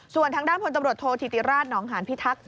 ส่วนทางด้านพลตำรวจโทษธิติราชหนองหานพิทักษ